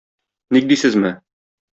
Ник дисезме?